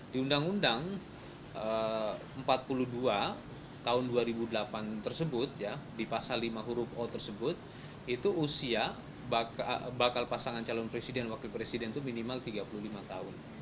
di undang undang empat puluh dua tahun dua ribu delapan tersebut di pasal lima huruf o tersebut itu usia bakal pasangan calon presiden dan wakil presiden itu minimal tiga puluh lima tahun